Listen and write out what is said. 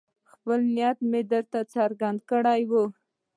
خپل نیت مې درته څرګند کړی وو.